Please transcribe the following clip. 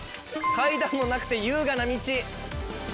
階段もなくて優雅な道。